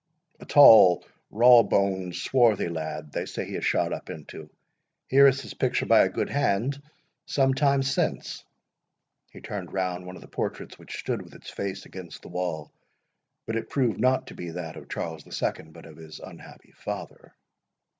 "A tall, rawboned, swarthy lad, they say he has shot up into. Here is his picture by a good hand, some time since." He turned round one of the portraits which stood with its face against the wall; but it proved not to be that of Charles the Second, but of his unhappy father.